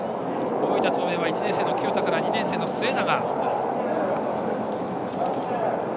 大分東明は１年生の清田から２年生の末永。